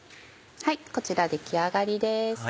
こちら出来上がりです。